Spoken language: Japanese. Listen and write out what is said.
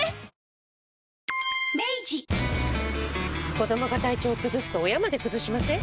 子どもが体調崩すと親まで崩しません？